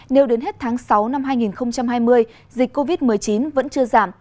nếu đến hết tháng sáu năm hai nghìn hai mươi dịch covid một mươi chín vẫn chưa giảm